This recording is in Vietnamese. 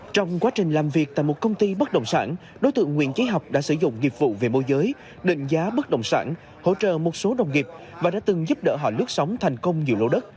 trong quá trình làm việc tại một công ty bất động sản đối tượng nguyễn trí học đã sử dụng dịch vụ về môi giới định giá bất động sản hỗ trợ một số đồng nghiệp và đã từng giúp đỡ họ lướt sóng thành công nhiều lỗ đất